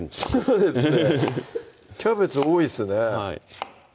そうですね